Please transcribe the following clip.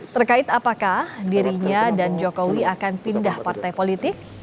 terkait apakah dirinya dan jokowi akan pindah partai politik